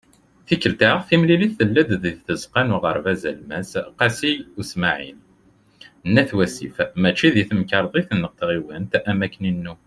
Tikelt-a, timlilit tella-d deg Tzeqqa n Uɣerbaz Alemmas "Qasi Usmaɛil" n At Wasif mačči deg Temkarḍit n Tɣiwant am wakken i nennum.